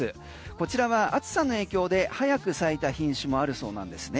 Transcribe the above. こちらは暑さの影響で早く咲いた品種もあるそうなんですね。